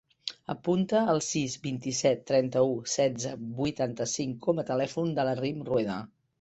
Apunta el sis, vint-i-set, trenta-u, setze, vuitanta-cinc com a telèfon de la Rym Rueda.